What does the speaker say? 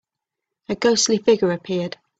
A ghostly figure appeared.